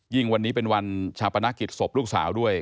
ยิ่งวันนี้เป็นวันชาปนักกิจสบลูกสาวด้วย